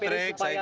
terima kasih pak